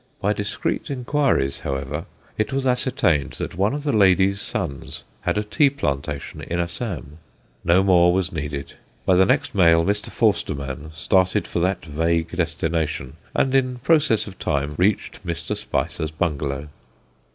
By discreet inquiries, however, it was ascertained that one of the lady's sons had a tea plantation in Assam. No more was needed. By the next mail Mr. Forstermann started for that vague destination, and in process of time reached Mr. Spicer's bungalow.